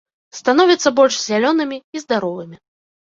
Становяцца больш зялёнымі і здаровымі.